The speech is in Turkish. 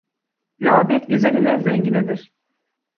Rağbet güzel ile zenginedir.